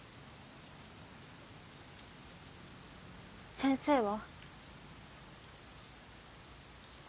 先生は？